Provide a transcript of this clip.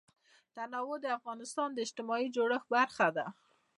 تنوع د افغانستان د اجتماعي جوړښت برخه ده.